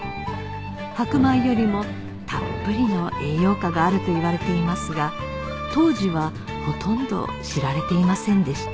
白米よりもたっぷりの栄養価があるといわれていますが当時はほとんど知られていませんでした